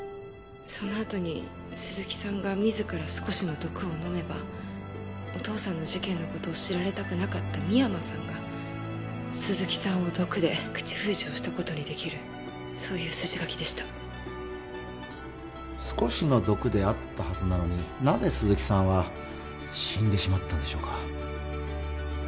そのあとに鈴木さんが自ら少しの毒を飲めばお父さんの事件のことを知られたくなかった深山さんが鈴木さんを毒で口封じをしたことにできるそういう筋書きでした少しの毒であったはずなのになぜ鈴木さんは死んでしまったんでしょうか？